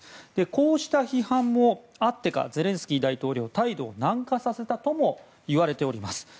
こうした批判もあってかゼレンスキー大統領態度を軟化させたともいわれております。